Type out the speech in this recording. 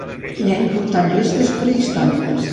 Hi ha importants restes prehistòriques.